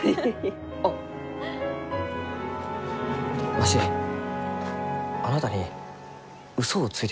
わしあなたに嘘をついてしもうて。